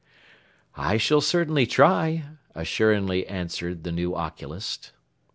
"I shall certainly try," assuringly answered the new oculist.